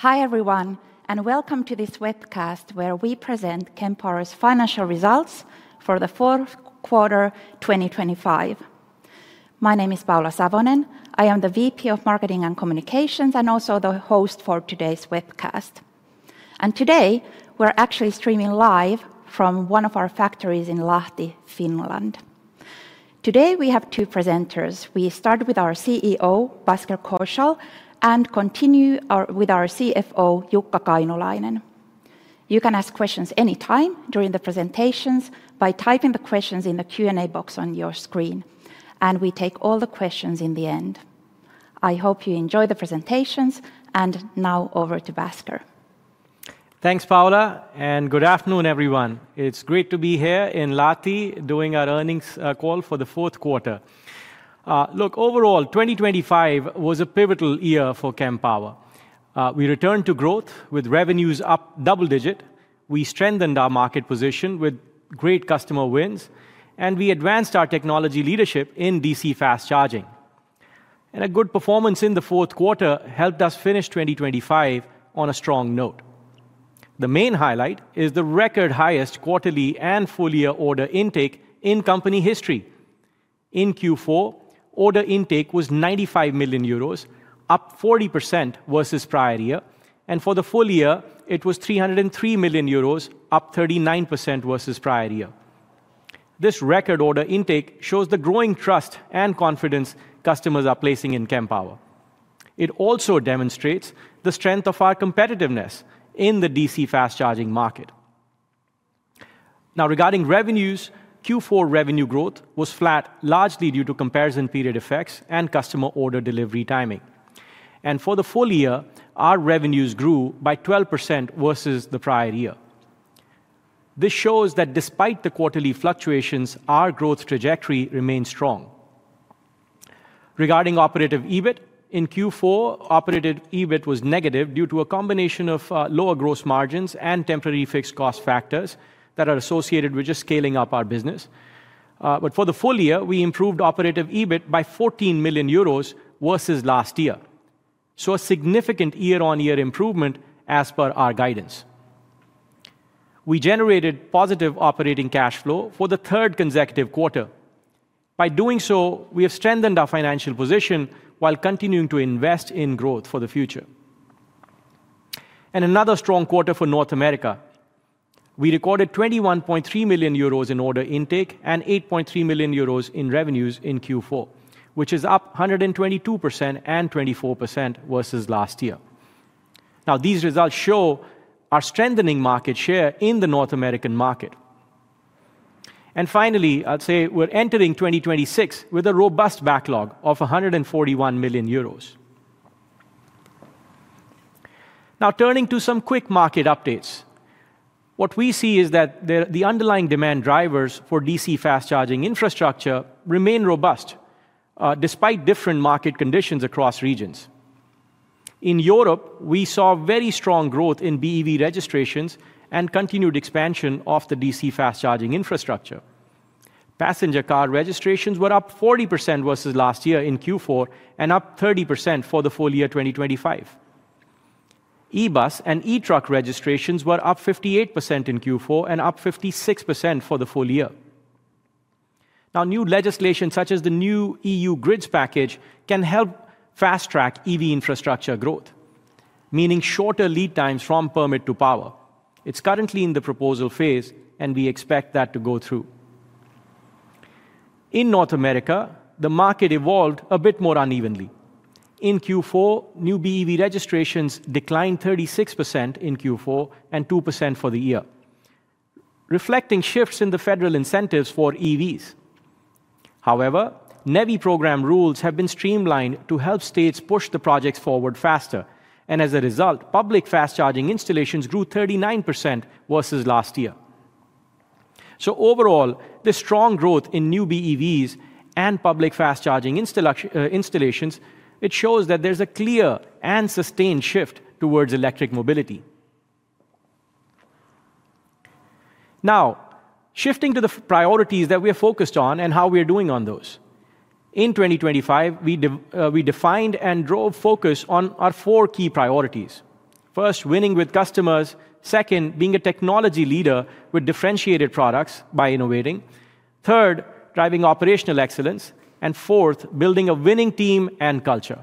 Hi everyone and welcome to this webcast where we present Kempower's Financial Results for the Fourth Quarter 2025. My name is Paula Savonen. I am the VP of Marketing and Communications and also the host for today's webcast. Today we're actually streaming live from one of our factories in Lahti, Finland. Today we have two presenters. We start with our CEO, Bhasker Kaushal, and continue with our CFO, Jukka Kainulainen. You can ask questions anytime during the presentations by typing the questions in the Q&A box on your screen and we take all the questions in the end. I hope you enjoy the presentations and now over to Bhasker. Thanks Paula and good afternoon everyone. It's great to be here in Lahti doing our Earnings Call for the Fourth Quarter. Look overall, 2025 was a pivotal year for Kempower. We returned to growth with revenues up double-digit. We strengthened our market position with great customer wins and we advanced our technology leadership in DC fast charging. A good performance in the fourth quarter helped us finish 2025 on a strong note. The main highlight is the record highest quarterly and full-year order intake in company history. In Q4 order intake was 95 million euros up 40% versus prior year and for the full year it was 303 million euros up 39% versus prior year. This record order intake shows the growing trust and confidence customers are placing in Kempower. It also demonstrates the strength of our competitiveness in the DC fast charging market. Now regarding revenues, Q4 revenue growth was flat largely due to comparison period effects and customer order delivery timing. For the full year our revenues grew by 12% versus the prior year. This shows that despite the quarterly fluctuations our growth trajectory remains strong. Regarding operative EBIT in Q4 operative EBIT was negative due to a combination of lower gross margins and temporary fixed cost factors that are associated with just scaling up our business. But for the full year we improved operative EBIT by 14 million euros versus last year. A significant year-on-year improvement as per our guidance. We generated positive operating cash flow for the third consecutive quarter. By doing so we have strengthened our financial position while continuing to invest in growth for the future. Another strong quarter for North America. We recorded 21.3 million euros in order intake and 8.3 million euros in revenues in Q4, which is up 122% and 24% versus last year. Now these results show our strengthening market share in the North American market. Finally I'll say we're entering 2026 with a robust backlog of 141 million euros. Now turning to some quick market updates. What we see is that there the underlying demand drivers for DC fast charging infrastructure remain robust despite different market conditions across regions. In Europe we saw very strong growth in BEV registrations and continued expansion of the DC fast charging infrastructure. Passenger car registrations were up 40% versus last year in Q4 and up 30% for the full year 2025. E-bus and e-truck registrations were up 58% in Q4 and up 56% for the full year. Now new legislation such as the new EU grids package can help fast-track EV infrastructure growth. Meaning shorter lead times from permit to power. It's currently in the proposal phase and we expect that to go through. In North America the market evolved a bit more unevenly. In Q4 new BEV registrations declined 36% in Q4 and 2% for the year. Reflecting shifts in the federal incentives for EVs. However NEVI program rules have been streamlined to help states push the projects forward faster and as a result public fast charging installations grew 39% versus last year. So overall this strong growth in new BEVs and public fast charging installations it shows that there's a clear and sustained shift towards electric mobility. Now shifting to the priorities that we are focused on and how we are doing on those. In 2025 we defined and drove focus on our four key priorities. First, winning with customers. Second, being a technology leader with differentiated products by innovating. Third, driving operational excellence. Fourth, building a winning team and culture.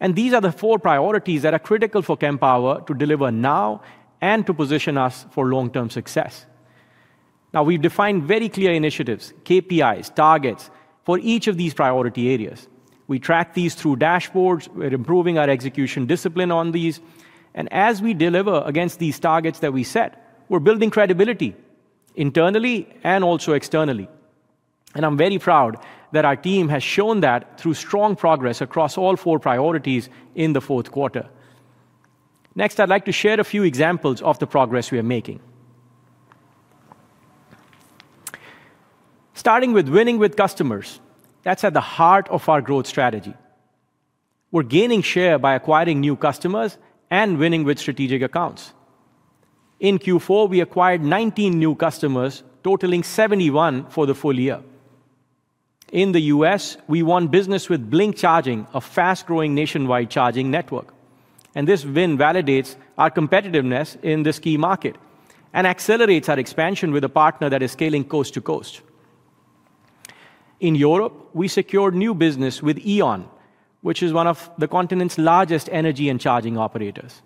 These are the four priorities that are critical for Kempower to deliver now and to position us for long-term success. Now we've defined very clear initiatives, KPIs, targets for each of these priority areas. We track these through dashboards. We're improving our execution discipline on these, and as we deliver against these targets that we set, we're building credibility internally and also externally. I'm very proud that our team has shown that through strong progress across all four priorities in the fourth quarter. Next I'd like to share a few examples of the progress we are making. Starting with winning with customers, that's at the heart of our growth strategy. We're gaining share by acquiring new customers and winning with strategic accounts. In Q4 we acquired 19 new customers totaling 71 for the full year. In the U.S. we won business with Blink Charging, a fast-growing nationwide charging network. This win validates our competitiveness in this key market and accelerates our expansion with a partner that is scaling coast to coast. In Europe we secured new business with E.ON, which is one of the continent's largest energy and charging operators.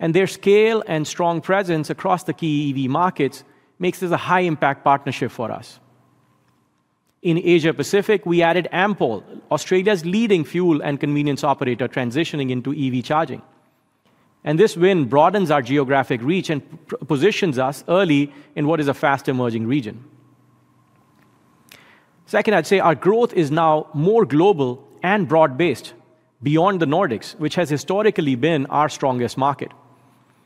Their scale and strong presence across the key EV markets makes this a high-impact partnership for us. In Asia Pacific we added Ampol, Australia's leading fuel and convenience operator transitioning into EV charging. This win broadens our geographic reach and positions us early in what is a fast-emerging region. Second, I'd say our growth is now more global and broad-based beyond the Nordics, which has historically been our strongest market.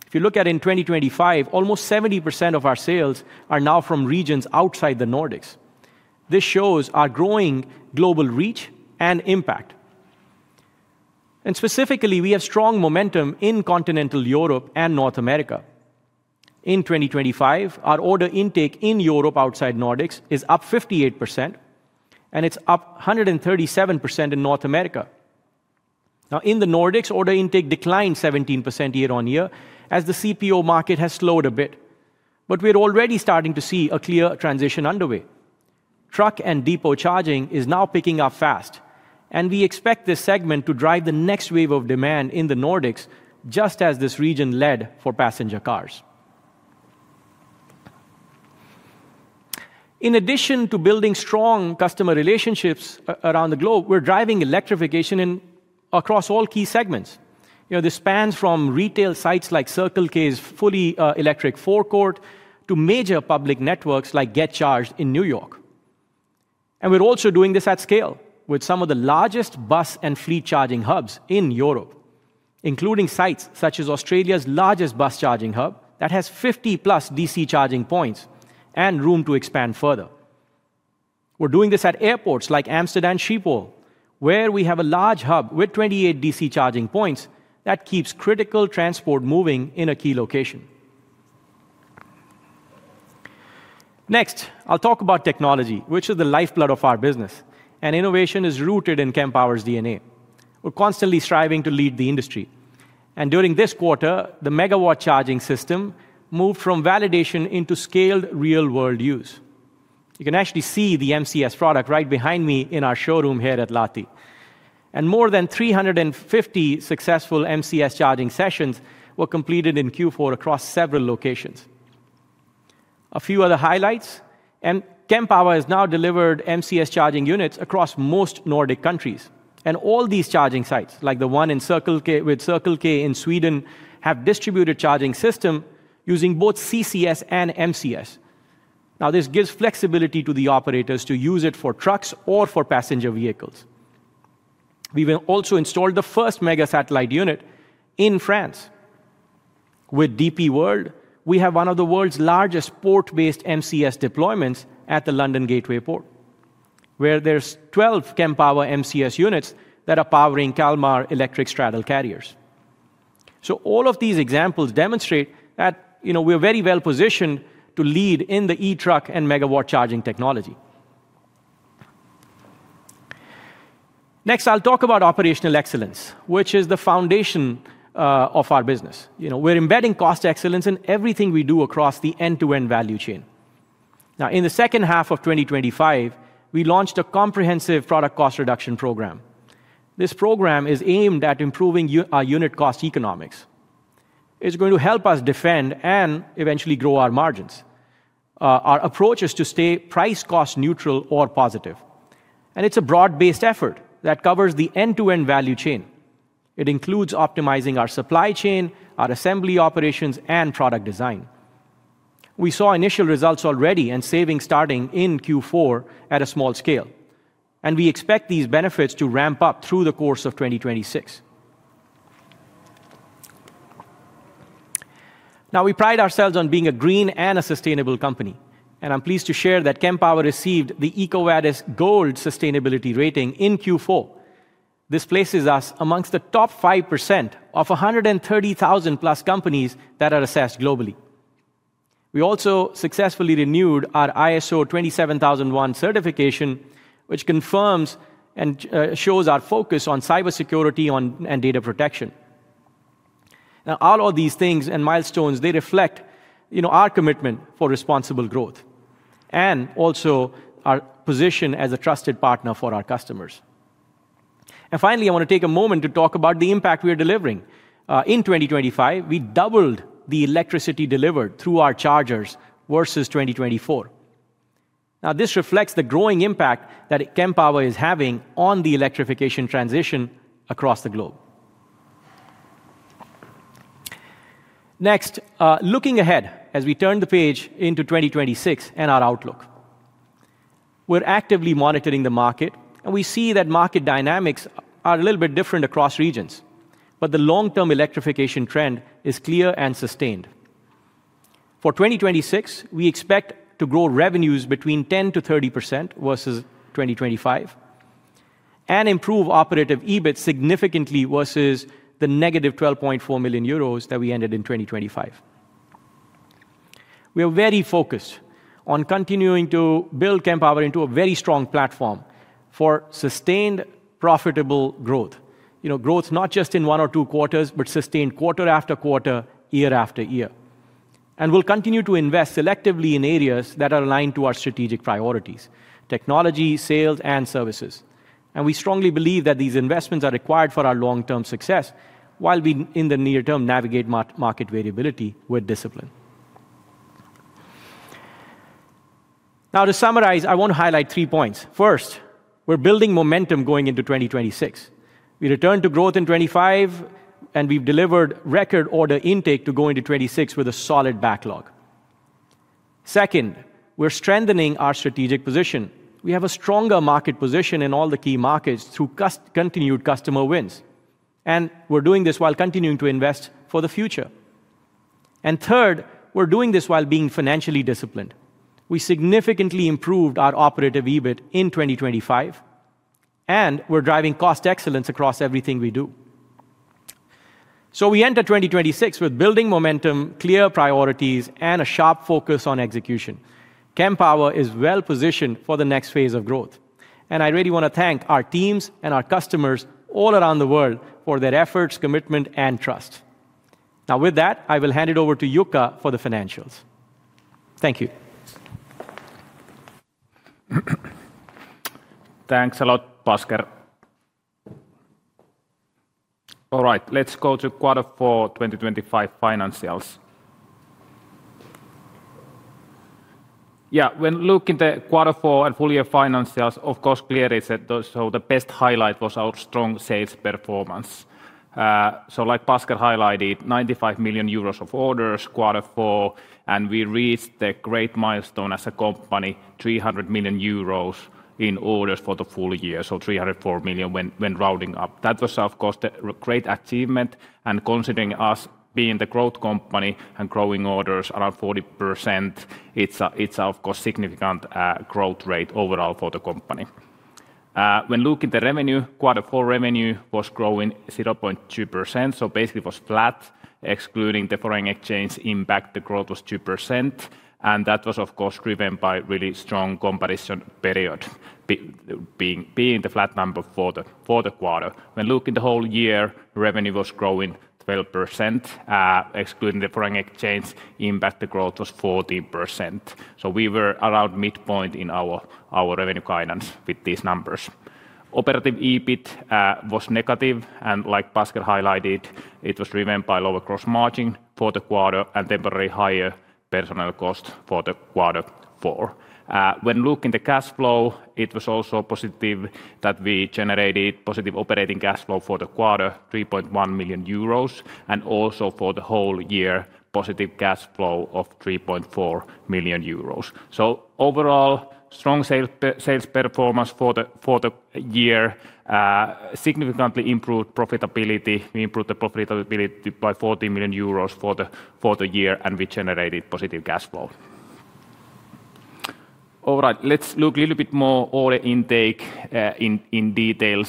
If you look at in 2025, almost 70% of our sales are now from regions outside the Nordics. This shows our growing global reach and impact. And specifically, we have strong momentum in continental Europe and North America. In 2025, our order intake in Europe outside Nordics is up 58% and it's up 137% in North America. Now in the Nordics, order intake declined 17% year-on-year as the CPO market has slowed a bit. But we're already starting to see a clear transition underway. Truck and depot charging is now picking up fast, and we expect this segment to drive the next wave of demand in the Nordics just as this region led for passenger cars. In addition to building strong customer relationships around the globe, we're driving electrification in across all key segments. You know this spans from retail sites like Circle K's fully electric forecourt to major public networks like GetCharged in New York. And we're also doing this at scale with some of the largest bus and fleet charging hubs in Europe, including sites such as Australia's largest bus charging hub that has 50+ DC charging points and room to expand further. We're doing this at airports like Amsterdam Schiphol where we have a large hub with 28 DC charging points that keeps critical transport moving in a key location. Next I'll talk about technology which is the lifeblood of our business. Innovation is rooted in Kempower's DNA. We're constantly striving to lead the industry. During this quarter the Megawatt Charging System moved from validation into scaled real-world use. You can actually see the MCS product right behind me in our showroom here at Lahti. More than 350 successful MCS charging sessions were completed in Q4 across several locations. A few other highlights, and Kempower has now delivered MCS charging units across most Nordic countries. All these charging sites like the one in Circle K with Circle K in Sweden have distributed charging systems using both CCS and MCS. Now this gives flexibility to the operators to use it for trucks or for passenger vehicles. We've also installed the first Mega Satellite unit in France. With DP World, we have one of the world's largest port-based MCS deployments at the London Gateway Port. Where there's 12 Kempower MCS units that are powering Kalmar electric straddle carriers. So all of these examples demonstrate that you know we're very well positioned to lead in the e-truck and Megawatt Charging technology. Next I'll talk about operational excellence which is the foundation of our business. You know we're embedding cost excellence in everything we do across the end-to-end value chain. Now in the second half of 2025 we launched a comprehensive product cost reduction program. This program is aimed at improving unit cost economics. It's going to help us defend and eventually grow our margins. Our approach is to stay price cost neutral or positive. And it's a broad-based effort that covers the end-to-end value chain. It includes optimizing our supply chain, our assembly operations, and product design. We saw initial results already and savings starting in Q4 at a small scale. We expect these benefits to ramp up through the course of 2026. Now we pride ourselves on being a green and a sustainable company. I'm pleased to share that Kempower received the EcoVadis Gold Sustainability Rating in Q4. This places us amongst the top 5% of 130,000+ companies that are assessed globally. We also successfully renewed our ISO 27001 certification which confirms and shows our focus on cybersecurity and data protection. Now all of these things and milestones they reflect you know our commitment for responsible growth. Also our position as a trusted partner for our customers. Finally I wanna take a moment to talk about the impact we are delivering. In 2025 we doubled the electricity delivered through our chargers versus 2024. Now this reflects the growing impact that Kempower is having on the electrification transition across the globe. Next looking ahead as we turn the page into 2026 and our outlook. We're actively monitoring the market and we see that market dynamics are a little bit different across regions. But the long-term electrification trend is clear and sustained. For 2026 we expect to grow revenues between 10%-30% versus 2025. And improve operative EBIT significantly versus the -12.4 million euros that we ended in 2025. We are very focused on continuing to build Kempower into a very strong platform for sustained profitable growth. You know growth not just in one or two quarters but sustained quarter after quarter year after year. We'll continue to invest selectively in areas that are aligned to our strategic priorities. Technology sales and services. We strongly believe that these investments are required for our long-term success while we in the near term navigate market variability with discipline. Now to summarize, I wanna highlight three points. First, we're building momentum going into 2026. We return to growth in 2025 and we've delivered record order intake to go into 2026 with a solid backlog. Second, we're strengthening our strategic position. We have a stronger market position in all the key markets through continued customer wins. We're doing this while continuing to invest for the future. Third, we're doing this while being financially disciplined. We significantly improved our operating EBIT in 2025. We're driving cost excellence across everything we do. We enter 2026 with building momentum, clear priorities, and a sharp focus on execution. Kempower is well positioned for the next phase of growth. I really wanna thank our teams and our customers all around the world for their efforts, commitment, and trust. Now with that I will hand it over to Jukka for the financials. Thank you. Thanks a lot Bhasker. All right, let's go to quarter four 2025 financials. Yeah, when looking at the quarter four and full year financials, of course, clearly the best highlight was our strong sales performance. So like Bhasker highlighted, 95 million euros of orders quarter four and we reached the great milestone as a company 300 million euros in orders for the full year so 304 million when rounding up. That was of course the great achievement and considering us being the growth company and growing orders around 40% it's a of course significant growth rate overall for the company. When looking at the revenue, Q4 revenue was growing 0.2% so basically it was flat excluding the foreign exchange impact the growth was 2%. That was of course driven by really strong competition period being the flat number for the quarter. When looking at the whole year revenue was growing 12% excluding the foreign exchange impact the growth was 40%. We were around midpoint in our revenue guidance with these numbers. Operative EBIT was negative and like Bhasker highlighted it was driven by lower gross margin for the quarter and temporarily higher personnel cost for the Q4. When looking at the cash flow, it was also positive that we generated positive operating cash flow for the quarter, 3.1 million euros, and also for the whole year positive cash flow of 3.4 million euros. So overall strong sales performance for the year, significantly improved profitability. We improved the profitability by 40 million euros for the year and we generated positive cash flow. All right, let's look a little bit more at order intake in detail,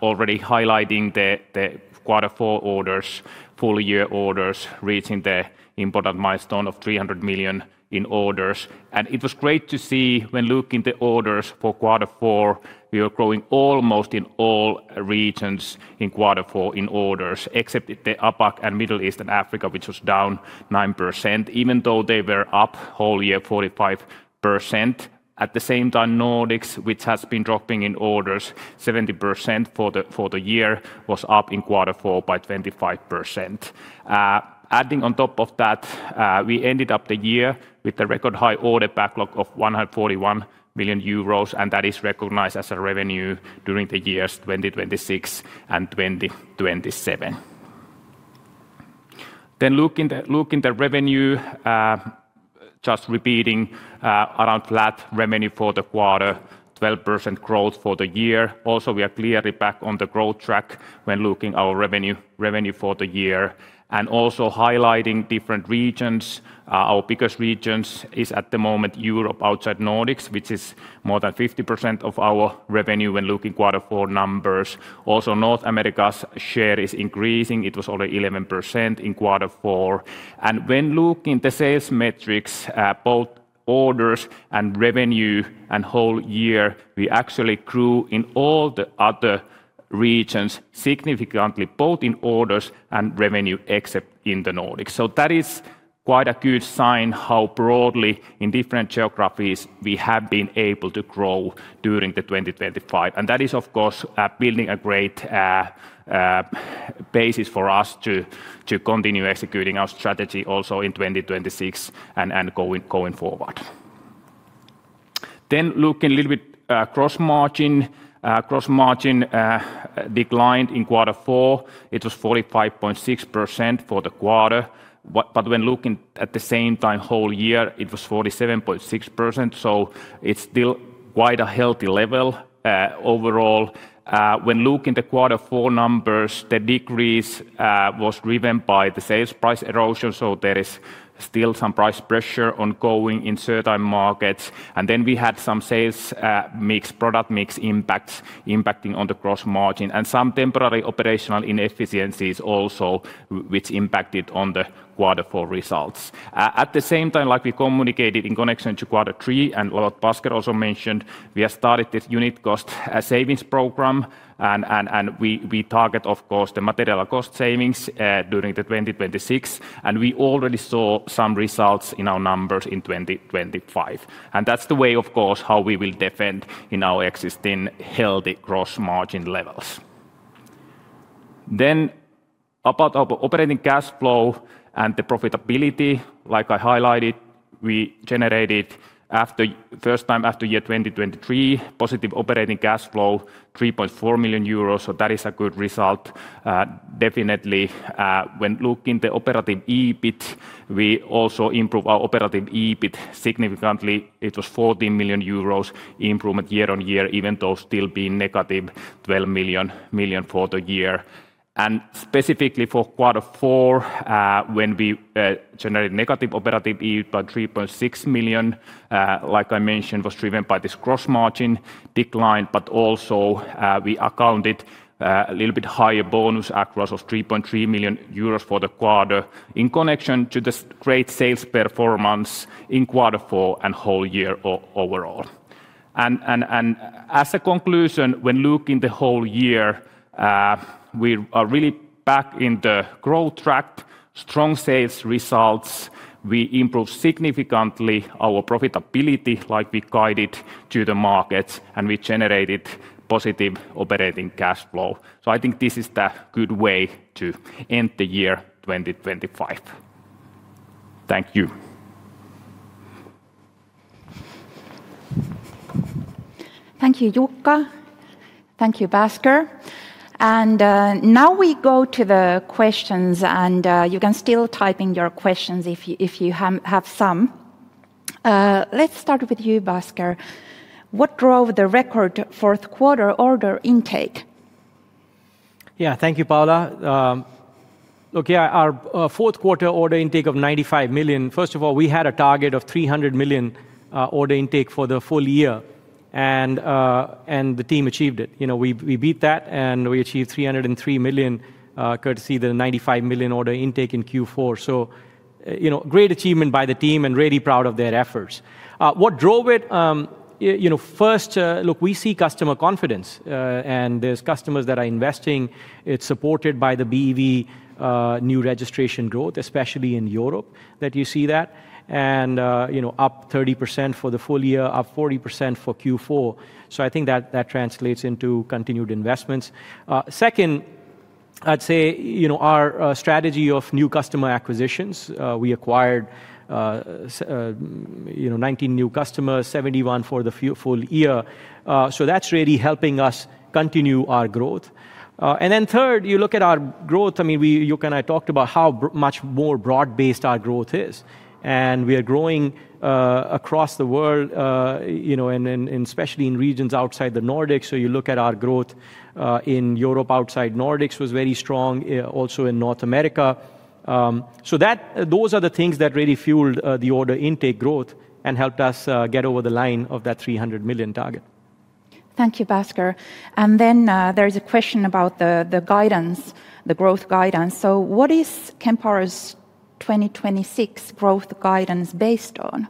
already highlighting the quarter four orders, full year orders reaching the important milestone of 300 million in orders. It was great to see when looking at the orders for quarter four we were growing almost in all regions in quarter four in orders except the APAC and Middle East and Africa which was down 9% even though they were up whole year 45%. At the same time Nordics which has been dropping in orders 70% for the for the year was up in quarter four by 25%. Adding on top of that we ended up the year with a record high order backlog of 141 million euros and that is recognized as a revenue during the years 2026 and 2027. Then looking at looking at the revenue just repeating around flat revenue for the quarter 12% growth for the year also we are clearly back on the growth track when looking at our revenue revenue for the year. And also highlighting different regions, our biggest regions is at the moment Europe outside Nordics, which is more than 50% of our revenue when looking at quarter four numbers. Also North America's share is increasing; it was only 11% in quarter four. And when looking at the sales metrics, both orders and revenue and whole year, we actually grew in all the other regions significantly, both in orders and revenue, except in the Nordics. So that is quite a good sign how broadly in different geographies we have been able to grow during the 2025. And that is of course building a great basis for us to continue executing our strategy also in 2026 and going forward. Then looking a little bit gross margin, gross margin declined in quarter four. It was 45.6% for the quarter. But when looking at the same time whole year it was 47.6% so it's still quite a healthy level overall. When looking at the quarter four numbers the decrease was driven by the sales price erosion so there is still some price pressure ongoing in certain markets. And then we had some sales mix product mix impacts impacting on the gross margin and some temporary operational inefficiencies also which impacted on the quarter four results. At the same time like we communicated in connection to Quarter Three and what Bhasker also mentioned we have started this unit cost savings program and we target of course the material cost savings during the 2026 and we already saw some results in our numbers in 2025. And that's the way of course how we will defend in our existing healthy gross margin levels. Then, about our operating cash flow and the profitability, like I highlighted, we generated—for the first time after 2023—positive operating cash flow of 3.4 million euros, so that is a good result. Definitely, when looking at the operative EBIT, we also improved our operative EBIT significantly. It was a 40 million euros improvement year-on-year, even though still being negative 12 million for the year. And, specifically for quarter four, when we generated negative operative EBIT of 3.6 million, like I mentioned, was driven by this gross margin decline, but also we accounted a little bit higher bonus accrual of 3.3 million euros for the quarter in connection to this great sales performance in quarter four and whole year overall. As a conclusion, when looking at the whole year, we are really back in the growth track, strong sales results, we improved significantly our profitability like we guided to the markets, and we generated positive operating cash flow. So I think this is the good way to end the year 2025. Thank you. Thank you, Jukka. Thank you, Bhasker. Now we go to the questions and you can still type in your questions if you have some. Let's start with you, Bhasker. What drove the record fourth quarter order intake? Yeah, thank you, Paula. Look, yeah, our fourth quarter order intake of 95 million. First of all, we had a target of 300 million order intake for the full year. And the team achieved it. You know, we beat that and we achieved 303 million courtesy of the 95 million order intake in Q4. So, you know, great achievement by the team and really proud of their efforts. What drove it? You know, first look, we see customer confidence and there's customers that are investing. It's supported by the BEV new registration growth especially in Europe that you see that. And, you know, up 30% for the full year, up 40% for Q4. So I think that translates into continued investments. Second, I'd say, you know, our strategy of new customer acquisitions. We acquired, you know, 19 new customers, 71 for the full year. So that's really helping us continue our growth. And then third, you look at our growth. I mean, we, Jukka and I, talked about how much more broad-based our growth is. And we are growing across the world, you know, especially in regions outside the Nordics. So you look at our growth in Europe outside Nordics was very strong, also in North America. So those are the things that really fueled the order intake growth and helped us get over the line of that 300 million target. Thank you, Bhasker. Then there is a question about the growth guidance. So what is Kempower's 2026 growth guidance based on?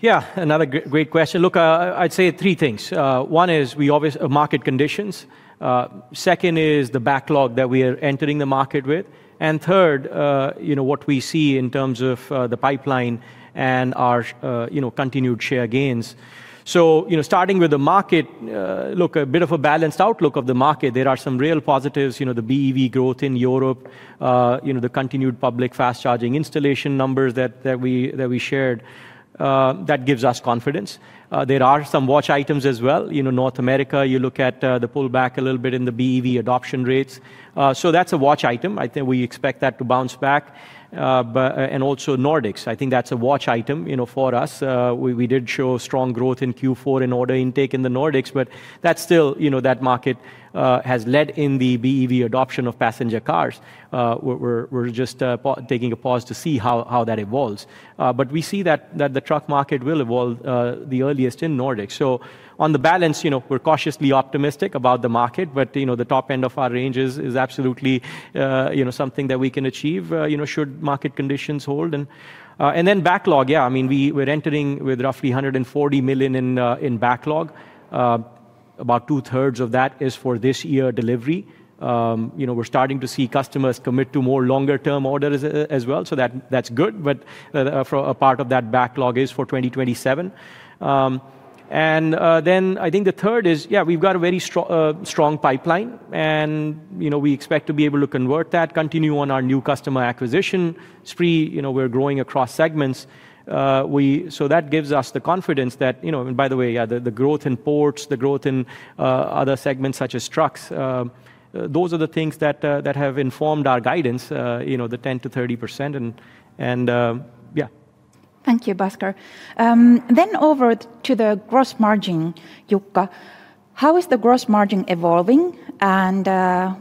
Yeah, another great question. Look, I'd say three things. One is, obviously, market conditions. Second is the backlog that we are entering the market with. And third, you know, what we see in terms of the pipeline and our, you know, continued share gains. So, you know, starting with the market. Look, a bit of a balanced outlook of the market. There are some real positives, you know, the BEV growth in Europe, you know, the continued public fast charging installation numbers that we shared. That gives us confidence. There are some watch items as well, you know. North America, you look at the pullback a little bit in the BEV adoption rates. So that's a watch item. I think we expect that to bounce back. But also Nordics, I think that's a watch item, you know, for us. We did show strong growth in Q4 in order intake in the Nordics, but that's still, you know, that market has led in the BEV adoption of passenger cars. We're just pausing to see how that evolves. But we see that the truck market will evolve the earliest in Nordics. So on the balance, you know, we're cautiously optimistic about the market, but you know, the top end of our ranges is absolutely, you know, something that we can achieve, you know, should market conditions hold. And then backlog, yeah, I mean, we're entering with roughly 140 million in backlog. About two thirds of that is for this year delivery. you know we're starting to see customers commit to more longer term orders as well so that's good but from a part of that backlog is for 2027. And then I think the third is yeah we've got a very strong pipeline and you know we expect to be able to convert that continue on our new customer acquisition spree you know we're growing across segments, so that gives us the confidence that you know and by the way yeah the growth in ports the growth in other segments such as trucks those are the things that have informed our guidance you know the 10%-30% and yeah. Thank you, Bhasker. Then over to the gross margin, Jukka. How is the gross margin evolving, and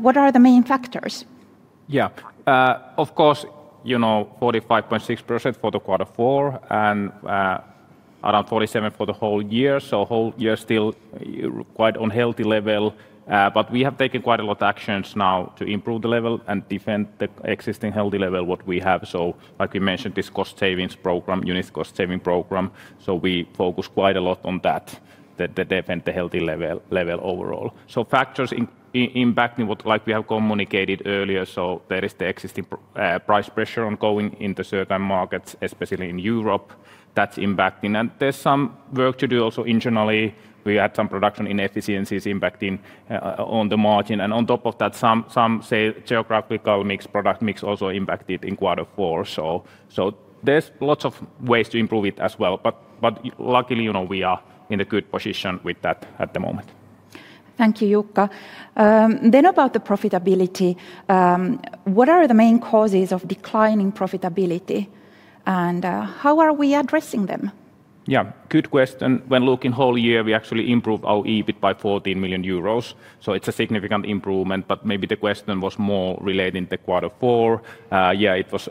what are the main factors? Yeah, of course, you know, 45.6% for the quarter four and around 47% for the whole year, so whole year still a quite unhealthy level. But we have taken quite a lot of actions now to improve the level and defend the existing healthy level what we have. So, like we mentioned, this cost savings program, unit cost saving program, so we focus quite a lot on that the defend the healthy level overall. So factors impacting what, like we have communicated earlier, so there is the existing price pressure ongoing in the certain markets especially in Europe. That's impacting and there's some work to do also internally. We had some production inefficiencies impacting on the margin and on top of that some geographical mix product mix also impacted in quarter four. So there's lots of ways to improve it as well but luckily you know we are in a good position with that at the moment. Thank you, Jukka. Then, about the profitability, what are the main causes of declining profitability and how are we addressing them? Yeah, good question. When looking whole year we actually improved our EBIT by 40 million euros. So it's a significant improvement but maybe the question was more relating to quarter four. Yeah, it was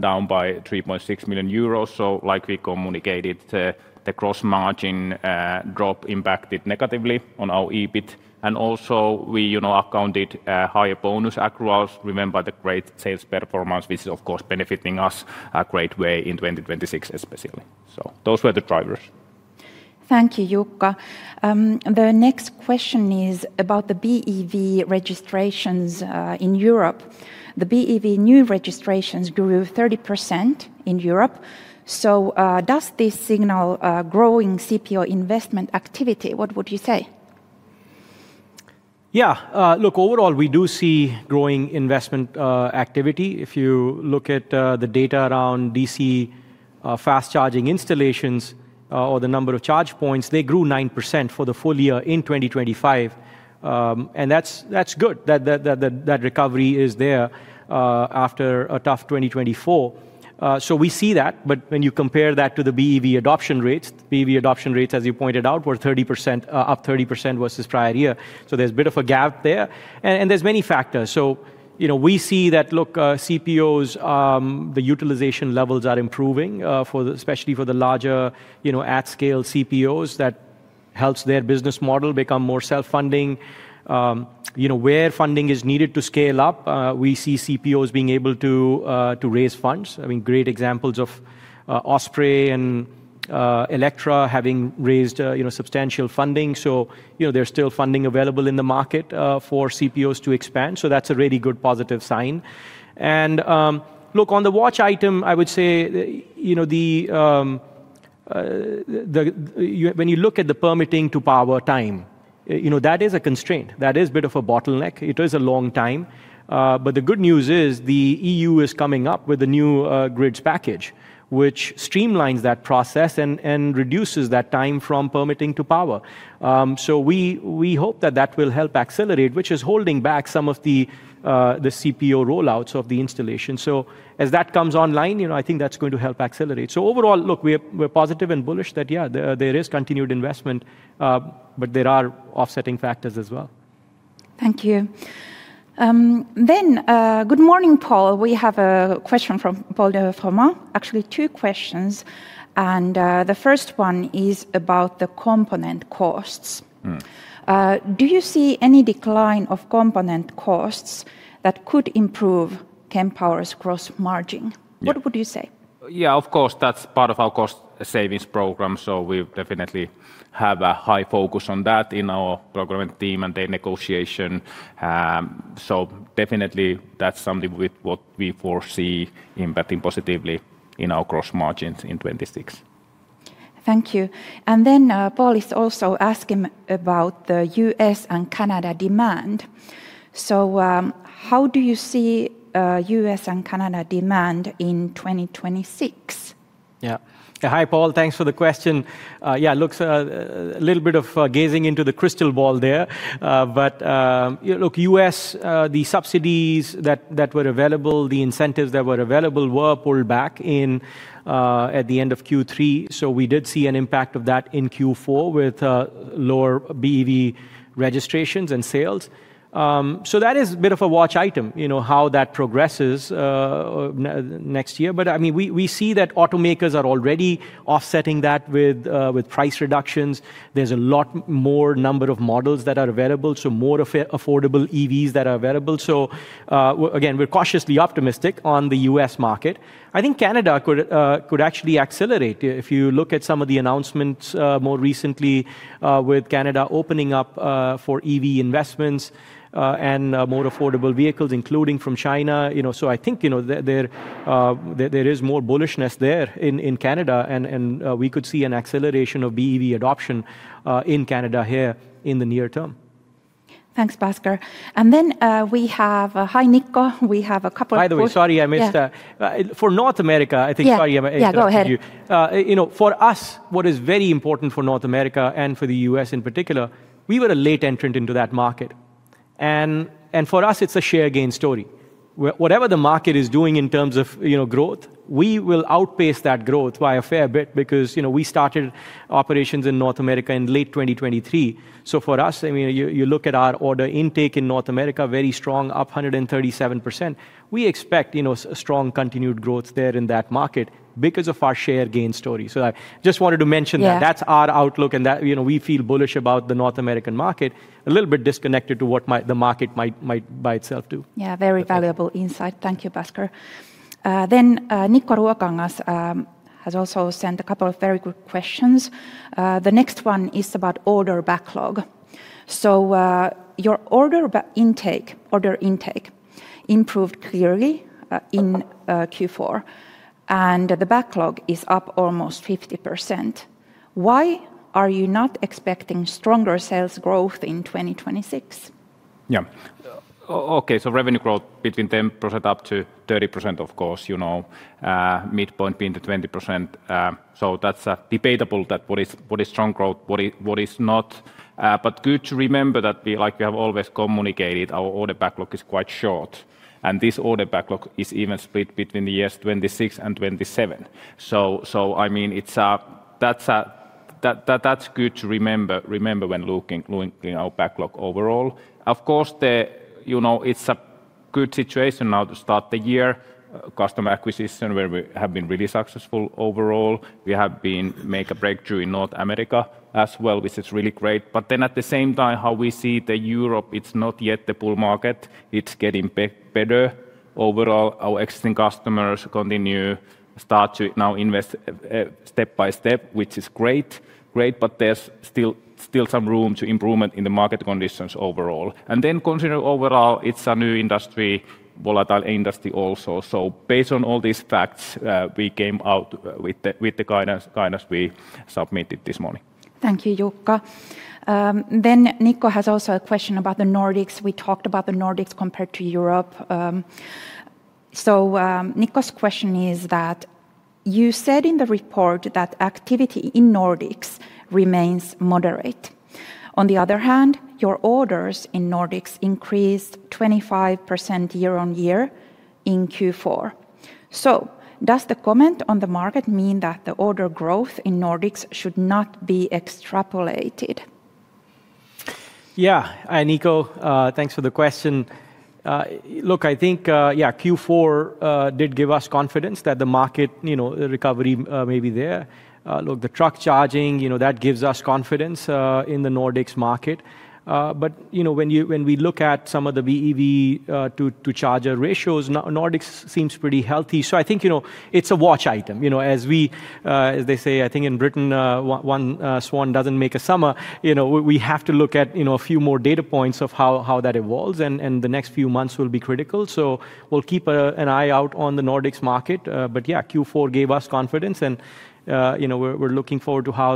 down by 3.6 million euros so like we communicated the gross margin drop impacted negatively on our EBIT. And also we you know accounted higher bonus across remember the great sales performance which is of course benefiting us a great way in 2026 especially. So those were the drivers. Thank you, Jukka. The next question is about the BEV registrations in Europe. The BEV new registrations grew 30% in Europe. So does this signal growing CPO investment activity? What would you say? Yeah, look, overall we do see growing investment activity. If you look at the data around DC fast charging installations or the number of charge points, they grew 9% for the full year in 2025. And that's good, that recovery is there after a tough 2024. So we see that, but when you compare that to the BEV adoption rates, BEV adoption rates as you pointed out were 30% up 30% versus prior year. So there's a bit of a gap there. And there's many factors. So you know we see that. Look, CPOs, the utilization levels are improving for the especially for the larger, you know, at-scale CPOs. That helps their business model become more self-funding. You know, where funding is needed to scale up, we see CPOs being able to raise funds. I mean great examples of Osprey and Electra having raised, you know, substantial funding. So you know there's still funding available in the market for CPOs to expand, so that's a really good positive sign. And look, on the watch item I would say you know when you look at the permitting to power time you know that is a constraint. That is a bit of a bottleneck. It is a long time, but the good news is the EU is coming up with a new grids package which streamlines that process and reduces that time from permitting to power. So we hope that that will help accelerate which is holding back some of the CPO rollouts of the installation. So as that comes online you know I think that's going to help accelerate. Overall, we're positive and bullish that yeah there is continued investment but there are offsetting factors as well. Thank you. Good morning, Paul. We have a question from Paul de Froment, actually two questions. The first one is about the component costs. Do you see any decline of component costs that could improve Kempower's gross margin? Yeah. What would you say? Yeah, of course, that's part of our cost savings program, so we definitely have a high focus on that in our program and team and day-to-day negotiation. So, definitely, that's something with what we foresee impacting positively in our gross margins in 2026. Thank you. And then Paul is also asking about the U.S. and Canada demand. So how do you see U.S. and Canada demand in 2026? Yeah, yeah, hi Paul, thanks for the question. Yeah, it looks a little bit like gazing into the crystal ball there. But if you look at the US, the subsidies that were available, the incentives that were available, were pulled back at the end of Q3. So we did see an impact of that in Q4 with lower BEV registrations and sales. So that is a bit of a watch item, you know, how that progresses next year. But I mean, we see that automakers are already offsetting that with price reductions. There's a lot more number of models that are available, so more affordable EVs that are available. So again, we're cautiously optimistic on the US market. I think Canada could actually accelerate if you look at some of the announcements more recently with Canada opening up for EV investments and more affordable vehicles including from China. You know so I think you know there is more bullishness there in Canada and we could see an acceleration of BEV adoption in Canada here in the near term. Thanks, Bhasker. And then we have hi, Nikko. We have a couple of questions. By the way, sorry I missed that. For North America, I think, sorry, I might interrupt you. Yeah, go ahead. You know, for us what is very important for North America and for the U.S. in particular we were a late entrant into that market. And for us it's a share gain story. We whatever the market is doing in terms of you know growth we will outpace that growth by a fair bit because you know we started operations in North America in late 2023. So for us I mean you look at our order intake in North America very strong up 137%. We expect you know strong continued growth there in that market because of our share gain story. So I just wanted to mention that. Yeah. That's our outlook, and that, you know, we feel bullish about the North American market, a little bit disconnected to what the market might do by itself. Yeah, very valuable insight. Thank you, Bhasker. Then Nikko Ruokangas has also sent a couple of very good questions. The next one is about order backlog. So your order intake improved clearly in Q4 and the backlog is up almost 50%. Why are you not expecting stronger sales growth in 2026? Yeah, okay, so revenue growth between 10% up to 30%, of course, you know, midpoint being the 20%. So that's debatable that what is what is strong growth what is what is not. But good to remember that we like we have always communicated our order backlog is quite short. And this order backlog is even split between the years 2026 and 2027. So I mean it's that's a that's good to remember when looking at our backlog overall. Of course, you know, it's a good situation now to start the year customer acquisition where we have been really successful overall. We have been make a breakthrough in North America as well which is really great. But then at the same time how we see Europe it's not yet the bull market. It's getting better overall. Our existing customers continue start to now invest step by step, which is great, but there's still some room for improvement in the market conditions overall. Then, considering overall, it's a new industry, volatile industry also. Based on all these facts, we came out with the guidance we submitted this morning. Thank you, Jukka. Nikko has also a question about the Nordics. We talked about the Nordics compared to Europe. Nicko's question is that you said in the report that activity in Nordics remains moderate. On the other hand, your orders in Nordics increased 25% year-over-year in Q4. Does the comment on the market mean that the order growth in Nordics should not be extrapolated? Yeah, hi Nikko, thanks for the question. Look, I think yeah, Q4 did give us confidence that the market, you know, recovery may be there. Look, the truck charging, you know, that gives us confidence in the Nordics market. But, you know, when we look at some of the BEV to charger ratios, no, Nordics seems pretty healthy. So, I think, you know, it's a watch item, you know, as they say, I think in Britain, one swan doesn't make a summer. You know, we have to look at, you know, a few more data points of how that evolves and the next few months will be critical. So, we'll keep an eye out on the Nordics market. But yeah, Q4 gave us confidence and you know we're looking forward to how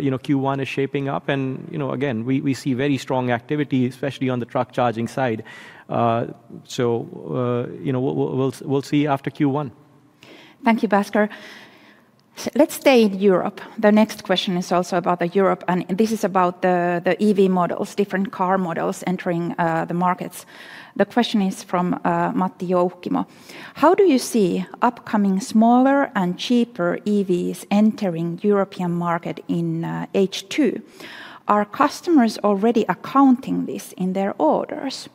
you know Q1 is shaping up. And you know again we see very strong activity especially on the truck charging side. So you know we'll see after Q1. Thank you, Bhasker. So let's stay in Europe. The next question is also about Europe and this is about the EV models, different car models entering the markets. The question is from Matti Joukkimo. How do you see upcoming smaller and cheaper EVs entering European market in H2? Are customers already accounting this in their orders?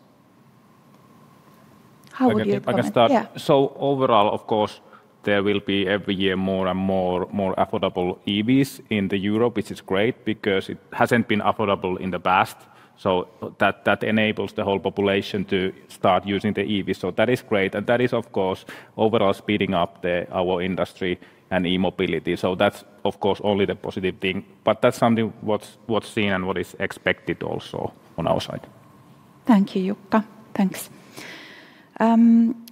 How would you approach it? Yeah, I can start. Yeah, so overall, of course, there will be every year more and more affordable EVs in Europe, which is great because it hasn't been affordable in the past. So that enables the whole population to start using the EVs, so that is great. And that is, of course, overall speeding up our industry and e-mobility. So that's, of course, only the positive thing. But that's something what's seen and what is expected also on our side. Thank you, Jukka. Thanks.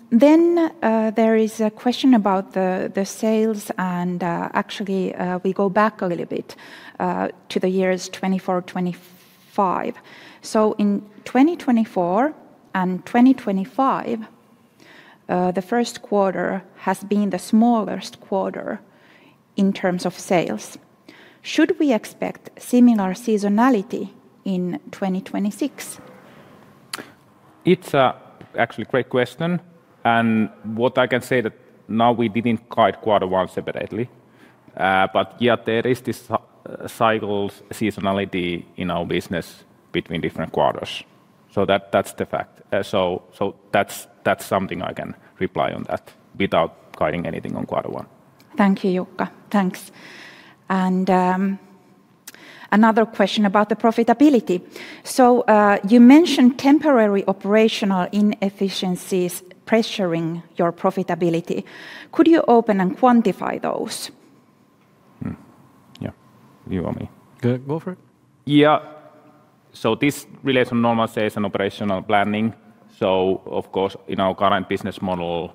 Then there is a question about the sales and actually we go back a little bit to the years 2024 2025. So in 2024 and 2025 the first quarter has been the smallest quarter in terms of sales. Should we expect similar seasonality in 2026? It's actually a great question. What I can say that now we didn't guide Quarter One separately, but yeah there is this cyclical seasonality in our business between different quarters. So that's the fact. So that's something I can rely on that without guiding anything on Quarter One. Thank you, Jukka. Thanks. Another question about the profitability. You mentioned temporary operational inefficiencies pressuring your profitability. Could you open and quantify those? Yeah, you or me? Go go for it. Yeah, so this relates to normal sales and operational planning. So, of course, in our current business model,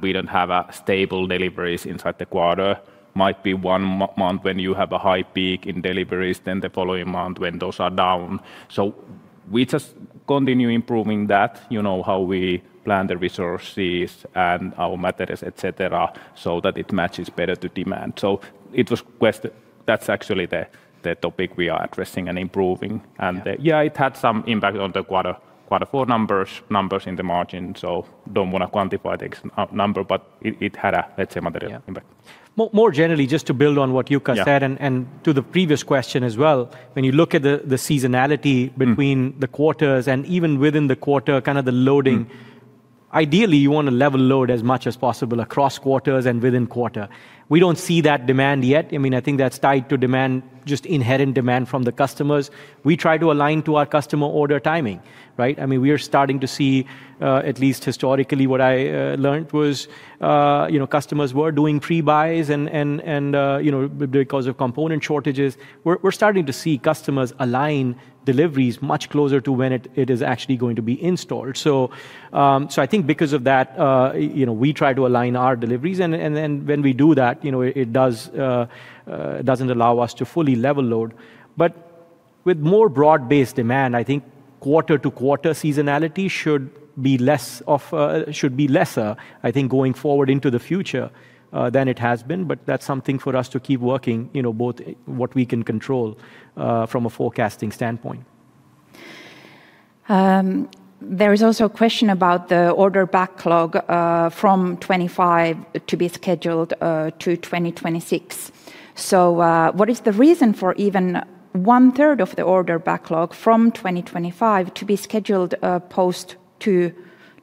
we don't have stable deliveries inside the quarter. Might be one month when you have a high peak in deliveries, then the following month when those are down. So we just continue improving that, you know, how we plan the resources and our materials, et cetera, so that it matches better to demand. So it was question that's actually the topic we are addressing and improving. And yeah, it had some impact on the quarter four numbers in the margin. So don't wanna quantify the exact number, but it had a, let's say, material impact. Yeah, more generally, just to build on what Jukka said and to the previous question as well, when you look at the seasonality between the quarters and even within the quarter, kind of the loading, ideally you wanna level load as much as possible across quarters and within quarter. We don't see that demand yet. I mean, I think that's tied to demand, just inherent demand from the customers. We try to align to our customer order timing, right? I mean, we are starting to see, at least historically, what I learned was, you know, customers were doing pre-buys and, you know, because of component shortages. We're starting to see customers align deliveries much closer to when it is actually going to be installed. So I think because of that you know we try to align our deliveries and then when we do that you know it doesn't allow us to fully level load. But with more broad-based demand I think quarter to quarter seasonality should be lesser I think going forward into the future than it has been. But that's something for us to keep working you know both what we can control from a forecasting standpoint. There is also a question about the order backlog from 2025 to be scheduled to 2026. So what is the reason for even one-third of the order backlog from 2025 to be scheduled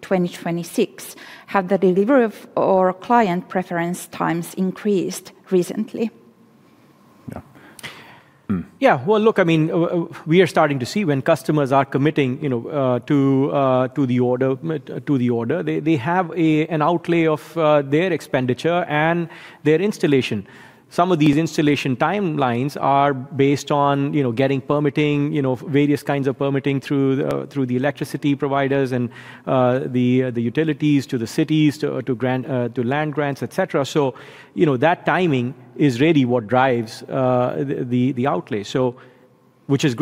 post 2026? Have the delivery of or client preference times increased recently? Yeah, yeah, well, look, I mean, we are starting to see when customers are committing, you know, to the order. They have an outlay of their expenditure and their installation. Some of these installation timelines are based on, you know, getting permitting, you know, various kinds of permitting through the electricity providers and the utilities to the cities to grant land grants, et cetera. So, you know, that timing is really what drives the outlay. So what's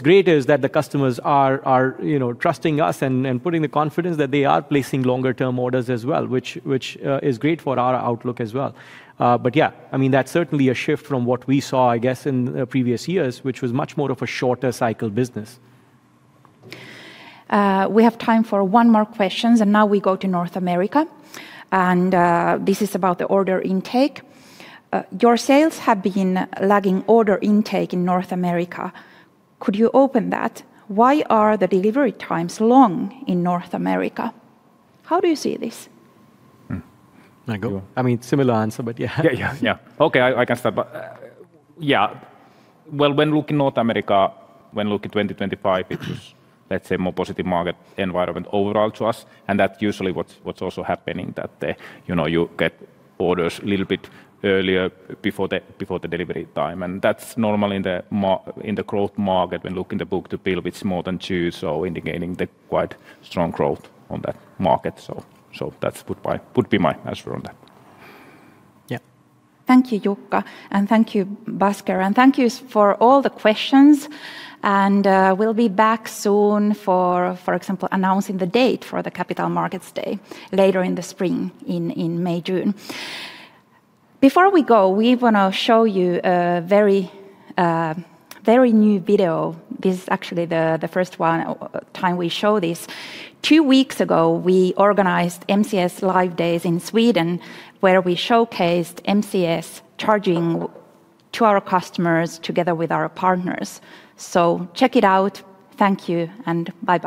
great is that the customers are, you know, trusting us and putting the confidence that they are placing longer-term orders as well, which is great for our outlook as well. Yeah, I mean, that's certainly a shift from what we saw, I guess, in the previous years, which was much more of a shorter cycle business. We have time for one more question, and now we go to North America. This is about the order intake. Your sales have been lagging order intake in North America. Could you open that? Why are the delivery times long in North America? How do you see this? I mean, similar answer, but yeah. Yeah, yeah, yeah, okay. I I can start, but yeah, well, when looking North America, when looking 2025, it was let's say more positive market environment overall to us. And that's usually what's what's also happening that the you know you get orders a little bit earlier before the before the delivery time. And that's normal in the main growth market when looking the book-to-bill with smaller than two so indicating the quite strong growth on that market. So so that's what would be my answer on that. Yeah. Thank you Jukka and thank you Bhasker. And thank you for all the questions. And we'll be back soon for for example announcing the date for the Capital Markets Day later in the spring in in May June. Before we go we wanna show you a very very new video. This is actually the first time we show this. Two weeks ago we organized MCS Live Days in Sweden where we showcased MCS charging to our customers together with our partners. So check it out. Thank you and bye-bye.